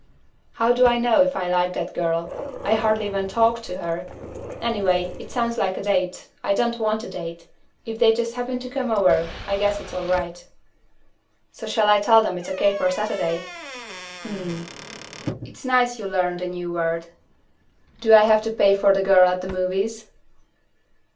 "How do I know if I like that girl? I hardly even talked to her. Anyway, it sounds like a date. I don't want a date. If they just happen to come over, I guess it's all right." "So shall I tell them it's O.K. for Saturday?" "Hmm." "It's nice you learned a new word." "Do I have to pay for the girl at the movies?"